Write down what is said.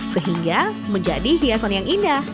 sehingga menjadi hiasan yang indah